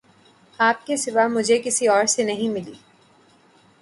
آپ کے سوا مجھے کسی اور سے نہیں ملی